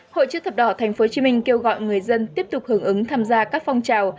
hội chức thập đỏ tp hcm kêu gọi người dân tiếp tục hưởng ứng tham gia các phong trào